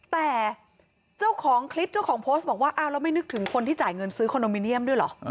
แต่เจ้าของคลิปเจ้าของโพสต์บอกว่าอ้าวแล้วไม่นึกถึงคนที่จ่ายเงินซื้อคอนโดมิเนียมด้วยเหรอ